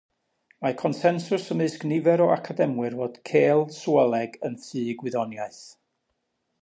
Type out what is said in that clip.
Mae consensws ymysg nifer o academwyr fod cêl-sŵoleg yn ffug-wyddoniaeth.